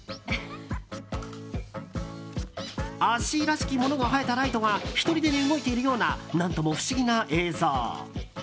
脚らしきものが生えたライトがひとりでに動いているような何とも不思議な映像。